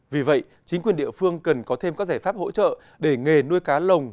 vì vậy chính quyền địa phương cần có thêm các giải pháp hỗ trợ để nghề nuôi cá lồng